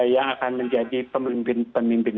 yang akan menjadi pemimpin pemimpin